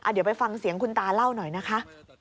เดี๋ยวไปฟังเสียงคุณตาเล่าหน่อยนะคะ